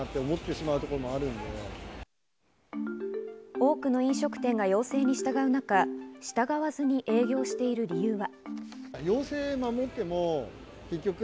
多くの飲食店が要請に従う中、従わずに営業をしている理由は。